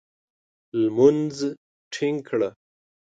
لمونځ ټینګ کړه !